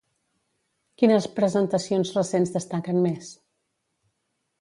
Quines presentacions recents destaquen més?